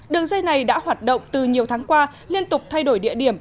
đường dây này đã hoạt động từ nhiều tháng qua liên tục thay đổi địa điểm